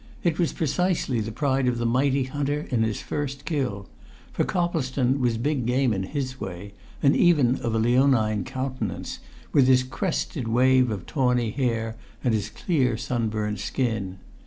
It was precisely the pride of the mighty hunter in his first kill; for Coplestone was big game in his way, and even of a leonine countenance, with his crested wave of tawny hair and his clear sunburnt skin.